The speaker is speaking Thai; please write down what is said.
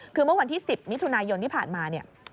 คือเมื่อวันที่๑๐มิถุนายนที่ผ่านมาเนี่ย